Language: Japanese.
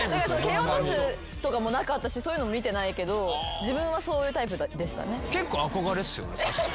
蹴落とすとかもなかったしそういうのも見てないけど自分はそういうタイプでしたね。